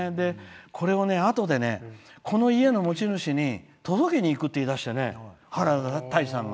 これを、あとでねこの家の持ち主に届けに行くって言いだして、原田泰治さんが。